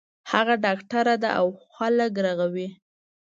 هغه ډاکټر ده او خلک رغوی